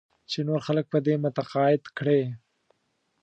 چې نور خلک په دې متقاعد کړې.